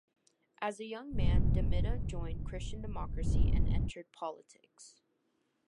As a young man De Mita joined Christian Democracy and entered politics.